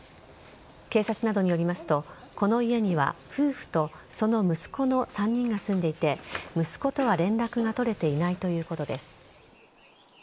警察などによりますとこの家には夫婦とその息子の３人が住んでいて息子とは連絡が取れていないということです。